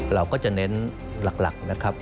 เราก็จะเน้นหลักนะครับ